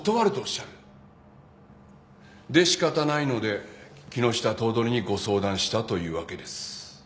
で仕方ないので木下頭取にご相談したというわけです。